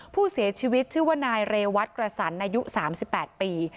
ผู้เสียชีวิตชื่อว่านายเรวัตกระสันอายุ๓๘ปี